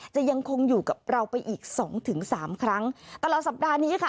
จะยังคงอยู่กับเราไปอีกสองถึงสามครั้งตลอดสัปดาห์นี้ค่ะ